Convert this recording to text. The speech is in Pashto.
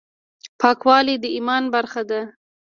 پاکوالی د ایمان برخه ده.